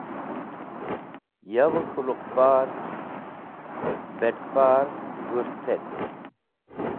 Yavẽ k̃hũ luqpar/ bet̃par g̃hũrtetk.